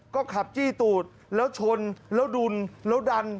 ก็ขับจี้ตูดแล้วชนแล้วดุนแล้วดัน